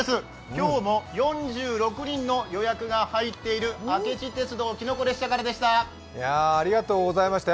今日も４６人の予約が入っている明知鉄道きのこ列車からでした。